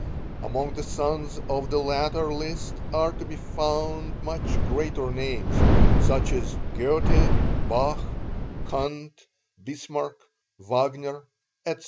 Among the sons on the latter list are to be found much greater names (such as Goethe, Bach, Kant, Bismarck, Wagner, etc.)